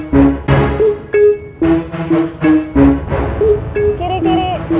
tak memiliki musti mereka